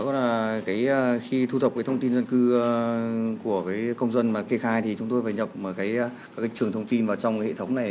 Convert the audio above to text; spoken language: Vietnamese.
đó là khi thu thập cái thông tin dân cư của công dân mà kê khai thì chúng tôi phải nhập cái trường thông tin vào trong cái hệ thống này